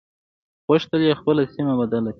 غوښتل يې خپله سيمه بدله کړي.